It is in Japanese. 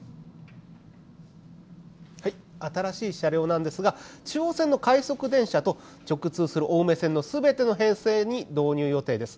新しい車両なんですが、中央線の快速電車と直通する青梅線のすべての編成に導入予定です。